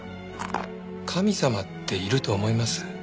神様っていると思います？